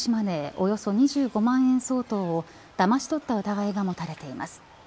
およそ２５万円相当をだまし取った疑いが持たれています。